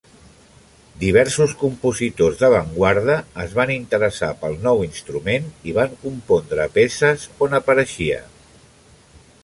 Diversos compositors d'avantguarda es van interessar pel nou instrument i van compondre peces on apareixia.